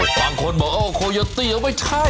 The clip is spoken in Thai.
บางคนบอกโคโยติเหรอไม่ใช่